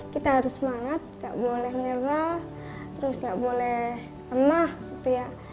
kita harus semangat gak boleh nyewa terus nggak boleh lemah gitu ya